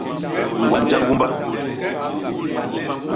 Ñgwa njañgumba.